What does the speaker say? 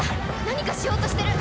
何かしようとしてる！